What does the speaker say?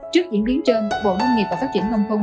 trước diễn biến trên bộ nông nghiệp và phát triển nông thôn